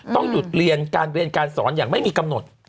ต้องหยุดเรียนการเรียนการสอนอย่างไม่มีกำหนด